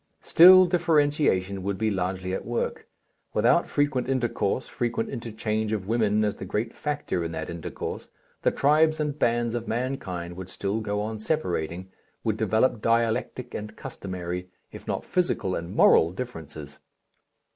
Still differentiation would be largely at work. Without frequent intercourse, frequent interchange of women as the great factor in that intercourse, the tribes and bands of mankind would still go on separating, would develop dialectic and customary, if not physical and moral differences.